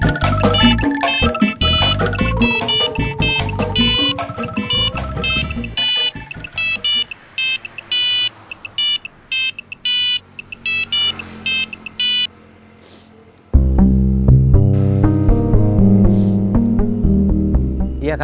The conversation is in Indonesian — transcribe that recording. yang dulu nyiksa kita